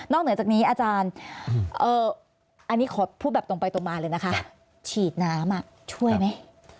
เหนือจากนี้อาจารย์อันนี้ขอพูดแบบตรงไปตรงมาเลยนะคะฉีดน้ำช่วยไหม